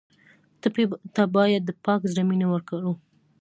ټپي ته باید د پاک زړه مینه ورکړو.